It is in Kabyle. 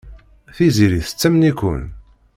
Tiziri tettamen-iken.